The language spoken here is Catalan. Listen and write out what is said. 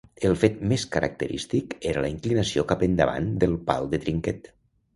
El fet més característic era la inclinació cap endavant del pal de trinquet.